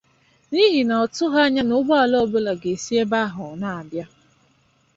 n'ihi na ọ tụghị anya na ụgbọala ọbụla ga-esi ebe ahụ na-abịa